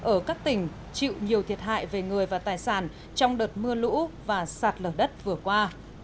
ở các tỉnh chịu nhiều thiệt hại về người và tài sản trong đợt mưa lũ và sạt lở đất vừa qua